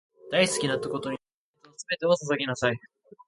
大好きなことに情熱のすべてを注ぎなさい